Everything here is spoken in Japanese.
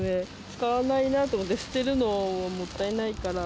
使わないなと思って、捨てるのももったいないから。